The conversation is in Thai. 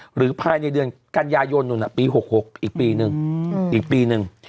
หรือภายในเดือนกันยายนนู่นปี๖๖อีกปีนึงอีกปีนึง